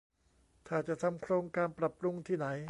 ถ้าจะทำโครงการปรับปรุงที่ไหน